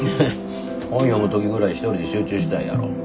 本読む時ぐらい一人で集中したいやろ。